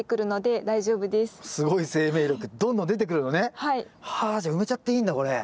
はあじゃあ埋めちゃっていいんだこれ。